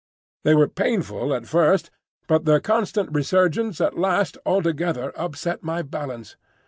They were painful at first, but their constant resurgence at last altogether upset my balance.